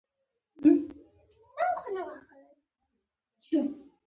د غاښونو درملو کې هم مالګه وي.